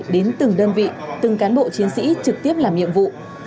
đến từng đơn vị từng cán bộ chiến sĩ trực tiếp làm nhiệm vụ